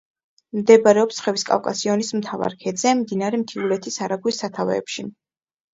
მდებარეობს ხევის კავკასიონის მთავარ ქედზე, მდინარე მთიულეთის არაგვის სათავეებში.